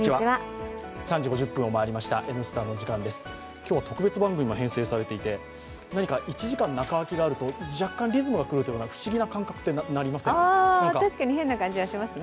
今日は特別番組も編成されていて何か１時間中あきがあると、若干リズムが狂うという確かに変な感じがしますね。